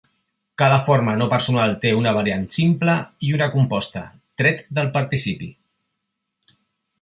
Cada forma no personal té una variant simple i una composta, tret del participi.